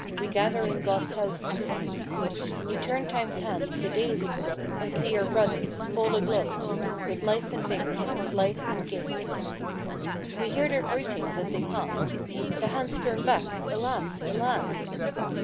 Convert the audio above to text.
We gather in God's house today; We turn Time's hands to days ago And see our brothers, all aglow With life and vigor, blithe and gay. We hear their greetings as they pass— The hands turn back I Alas! Alas!